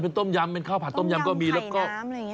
เป็นโต๊มยำเป็นข้าวผัดโต๊มยำก็มีต้มยำไข่น้ำอะไรอ่ะ